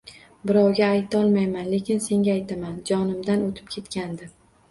Birovga aytolmayman, lekin senga aytaman, jonimdan oʻtib ketgandi